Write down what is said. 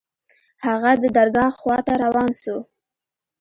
هغه د درګاه خوا ته روان سو.